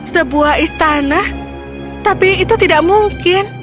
sebuah istana tapi itu tidak mungkin